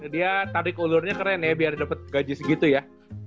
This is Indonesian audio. dia tarik ulurnya keren ya biar dapat gaji segitu ya